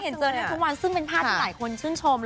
เห็นเจอทุกวันซึ่งเป็นพาร์ทที่หลายคนชื่นชม